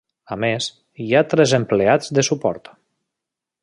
A més, hi ha tres empleats de suport.